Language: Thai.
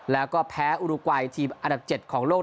แล้วก็แพ้อุรุกวัยทีมอันดับ๗ของโลก